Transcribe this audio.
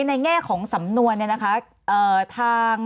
ในแง่ของสำนวนนะคะ